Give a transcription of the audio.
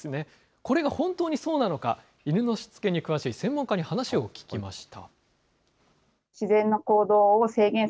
これが本当にそうなのか、犬のしつけに詳しい専門家に話を聞きました。